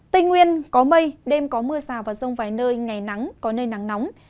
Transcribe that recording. tây nguyên có mây đêm có mưa rào và rông vài nơi ngày nắng có nơi nắng nóng